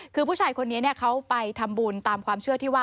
คือผู้ชายคนนี้เขาไปทำบุญตามความเชื่อที่ว่า